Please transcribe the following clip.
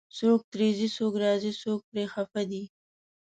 څوک ترې ځي، څوک راځي، څوک پرې خفه دی